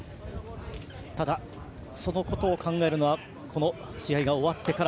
ただ、そのことを考えるのはこの試合が終わってから。